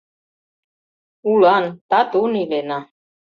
Улан, татун илена.